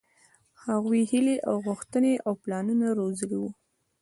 هغوۍ هيلې او غوښتنې او پلانونه روزلي وو.